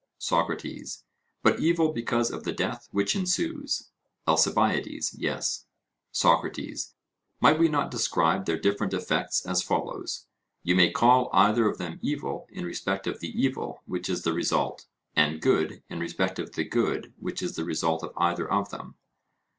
SOCRATES: But evil because of the death which ensues? ALCIBIADES: Yes. SOCRATES: Might we not describe their different effects as follows: You may call either of them evil in respect of the evil which is the result, and good in respect of the good which is the result of either of them?